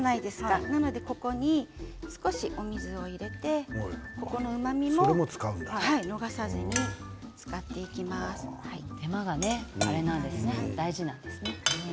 ここに少しお水を入れてここのうまみも逃さずに手間が大事なんですね。